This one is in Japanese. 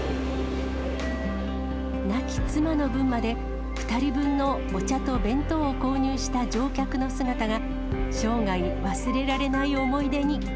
亡き妻の分まで、２人分のお茶と弁当を購入した乗客の姿が、生涯忘れられない思い出に。